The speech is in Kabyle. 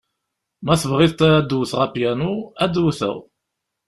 Ma tebɣiḍ ad d-wteɣ apyanu, ad d-wteɣ.